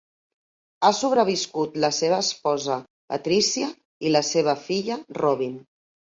Ha sobreviscut la seva esposa Patrícia i la seva filla Robin.